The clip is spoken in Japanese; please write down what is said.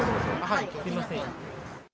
はい、すみません。